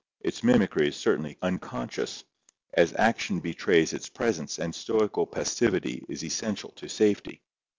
Its mimicry is certainly unconscious, as action betrays its presence and stoical passivity is essential to safety.